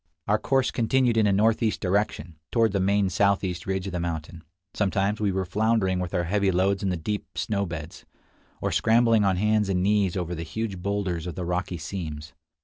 Our course continued in a northeast direction, toward the main southeast ridge of the mountain. Sometimes we were floundering with our heavy loads in the deep snow beds, or scrambling on hands and knees over the huge boulders of the rocky seams.